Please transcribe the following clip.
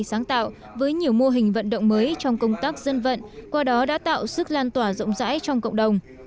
sáng tạo với nhiều mô hình vận động mới trong công tác dân vận qua đó đã tạo sức lan tỏa rộng rãi trong cộng đồng